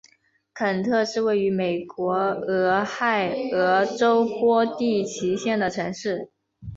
肯特是位于美国俄亥俄州波蒂奇县的城市。